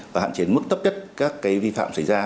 và hạn chế mức thấp nhất các cái vi phạm xảy ra